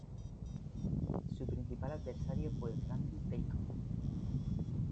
Su principal adversario fue Francis Bacon.